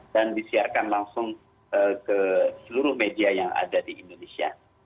dan disiarkan langsung ke seluruh media yang ada di indonesia